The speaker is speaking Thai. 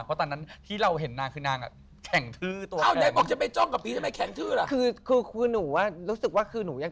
เพราะตอนนั้นที่เราเห็นนางคือนางอ่ะแข็งทื้อตัวเอง